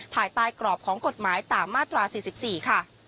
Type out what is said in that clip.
ภายใต้กรอบของกฎหมายตามมาตรา๔๔ค่ะ